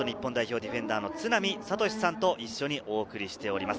ディフェンダーの都並敏史さんと一緒にお送りしています。